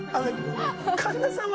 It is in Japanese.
神田さんは。